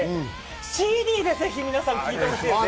ＣＤでぜひ皆さん、聴いてほしいです。